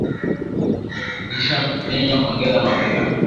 ukisha menye ongeza mafuta